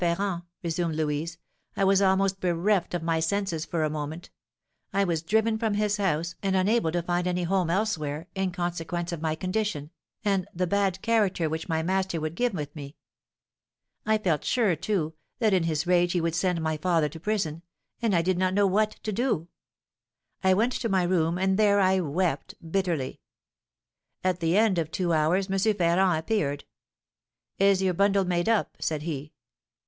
Ferrand," resumed Louise, "I was almost bereft of my senses for a moment. I was driven from his house, and unable to find any home elsewhere, in consequence of my condition, and the bad character which my master would give with me. I felt sure, too, that in his rage he would send my father to prison; and I did not know what to do. I went to my room, and there I wept bitterly. At the end of two hours M. Ferrand appeared. 'Is your bundle made up?' said he.